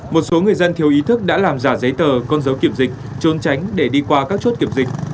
một số người dân thiếu ý thức đã làm giả giấy tờ con dấu kiểm dịch trôn tránh để đi qua các chốt kiểm dịch